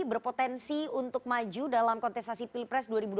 berpotensi untuk maju dalam kontestasi pilpres dua ribu dua puluh